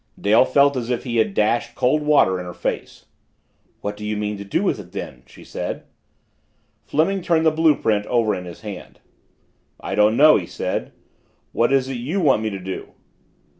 Dale felt as if he had dashed cold water in her face. "What do you mean to do with it then?" she said. Fleming turned the blue print over in his hand. "I don't know," he said. "What is it you want me to do?"